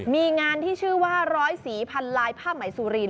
มีงานที่ชื่อว่าร้อยสีพันลายผ้าไหมสุรินท